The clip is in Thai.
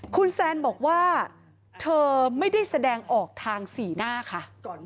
คุณแซนบอกว่าเธอไม่ได้แสดงออกทางสีหน้าค่ะ